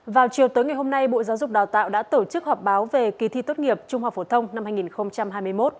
vào chiều tối ngày hôm nay bộ giáo dục đào tạo đã tổ chức họp báo về kỳ thi tốt nghiệp trung học phổ thông năm hai nghìn hai mươi một